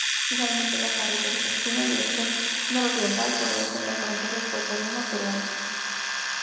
Finalmente, la carretera se extiende en dirección nororiental bordeando la frontera ecuatoriano-peruana.